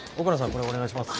これお願いします。